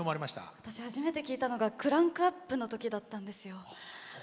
私、初めて聴いたのがクランクアップのときだったんです。